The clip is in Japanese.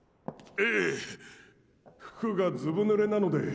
ええ服がずぶ濡れなので。